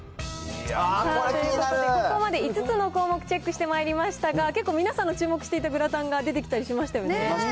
ここまで５つの項目、チェックしてまいりましたが、結構皆さんが注目していたグラタンが出てきたりしましたよね。